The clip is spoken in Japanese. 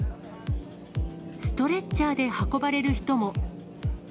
ストレッチャーで運ばれる人も。